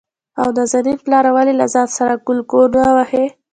او نازنين پلاره ! ولې له ځان سره کلګکونه وهې؟